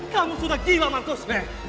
kamu sudah gila marcos